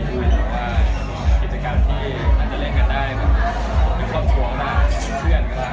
เพราะว่ากิจกรรมที่เราจะเล่นกันได้เป็นครอบครัวมากเป็นเพื่อนก็ได้